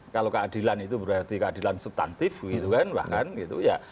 kalau keadilan itu berarti keadilan subtantif gitu kan bahkan gitu ya